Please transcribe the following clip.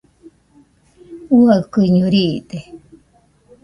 Uaikɨño riide.